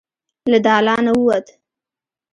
له دالانه ووت.